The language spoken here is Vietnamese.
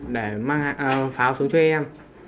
để mang pháo xuống cho em